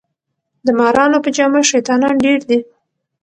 د مارانو په جامه شیطانان ډیر دي